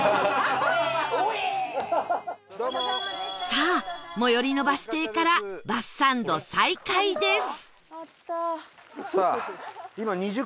さあ最寄りのバス停からバスサンド再開です